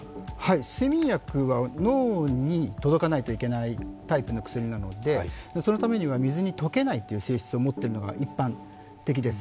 睡眠薬は脳に届かないといけないタイプの薬なのでそのためには水に溶けないという性質を持っているのが一般的です。